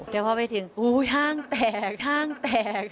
เจ้าภาพไปถึงโอ้โฮห้างแตก